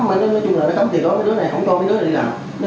mấy đứa này nó cấm thì có mấy đứa này không coi mấy đứa này đi làm